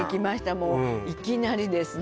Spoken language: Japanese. もういきなりですね